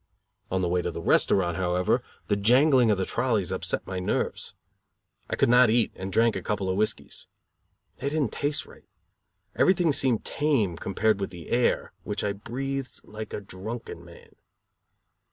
On the way to the restaurant, however, the jangling of the trolleys upset my nerves. I could not eat, and drank a couple of whiskies. They did not taste right. Everything seemed tame, compared with the air, which I breathed like a drunken man.